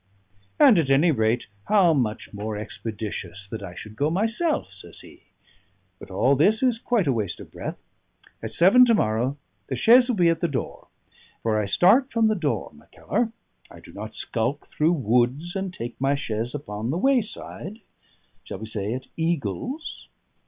"And, at any rate, how much more expeditious that I should go myself!" says he. "But all this is quite a waste of breath. At seven to morrow the chaise will be at the door. For I start from the door, Mackellar; I do not skulk through woods and take my chaise upon the wayside shall we say, at Eagles?"